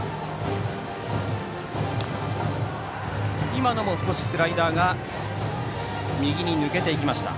今のも少しスライダーが右に抜けていきました。